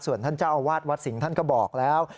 ส่วนท่านเจ้าอาวาสวัดสิงห์ท่านก็บอกแล้ว